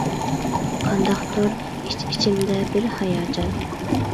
قانداقتۇر ئىچ-ئىچىمدە بىر ھاياجان.